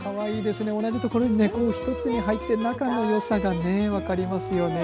同じところに１つに入って仲のよさが分かりますよね。